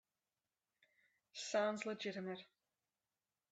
Sounds legitimate.